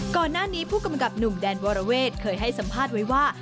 ก่อนหน้านี้ผู้กำกับหนุ่มแดนวรเวทเคยให้สัมภาษณ์ไว้ว่า